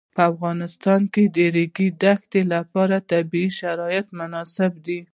په افغانستان کې د د ریګ دښتې لپاره طبیعي شرایط مناسب دي.